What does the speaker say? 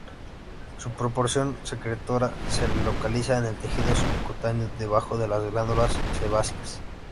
Su porción secretora se localiza en el tejido subcutáneo, debajo de las glándulas sebáceas.